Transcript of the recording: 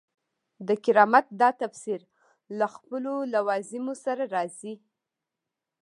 د کرامت دا تفسیر له خپلو لوازمو سره راځي.